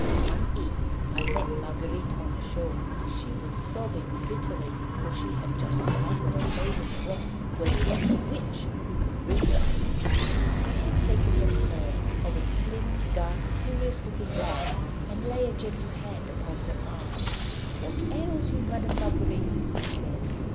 One eve I met Marguerite on the shore. She was sobbing bitterly, for she had just come out of a cave in the rocks, where dwelt a Witch who could read the future. I had taken the form of a slim, dark, serious looking lad, and laying a gentle hand upon her arm, 'What ails you, Madame Marguerite?' I said.